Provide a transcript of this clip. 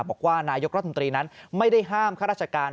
บอกว่านายกรัฐมนตรีนั้นไม่ได้ห้ามข้าราชการ